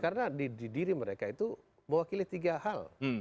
karena di diri mereka itu mewakili tiga hal